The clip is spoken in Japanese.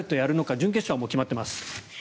準決勝はもう決まっています。